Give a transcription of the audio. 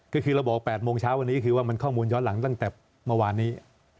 ก็คือเราบอก๘โมงเช้าวันนี้คือว่ามันข้อมูลย้อนหลังตั้งแต่เมื่อวานนี้